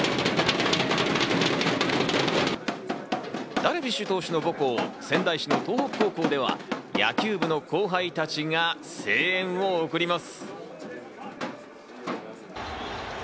ダルビッシュ投手の母校、仙台市の東北高校では野球部の後輩たちが声援を送ります。